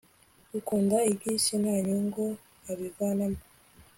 ukunda iby'isi nta nyungu abivanamo